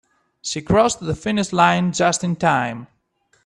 She crossed the finish line just in time.